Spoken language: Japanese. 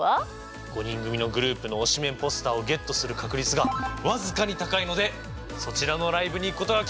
５人組のグループの推しメンポスターをゲットする確率が僅かに高いのでそちらのライブに行くことが決定しました！